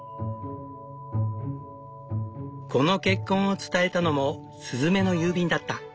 この結婚を伝えたのもスズメの郵便だった。